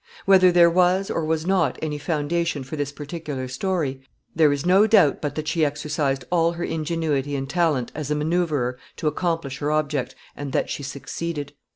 Whether there was or was not any foundation for this particular story, there is no doubt but that she exercised all her ingenuity and talent as a manoeuvrer to accomplish her object, and that she succeeded.